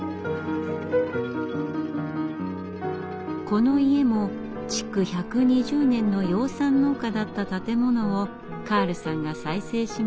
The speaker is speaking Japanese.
この家も築１２０年の養蚕農家だった建物をカールさんが再生しました。